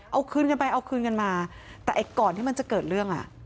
เอาคืนกันไปเอาคืนกันมาแต่ไอ้ก่อนที่มันจะเกิดเรื่องอ่ะ